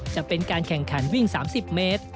จะเป็นการแข่งขันวิ่ง๓๐เมตร